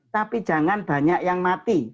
tapi jangan banyak yang mati